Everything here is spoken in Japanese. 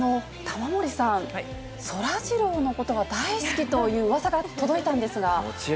玉森さん、そらジローのことが大好きといううわさが届いたんですが。